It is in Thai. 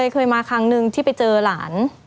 เคยมาครั้งหนึ่งที่ไปเจอหลาน